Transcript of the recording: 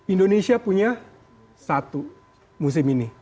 indonesia punya satu musim ini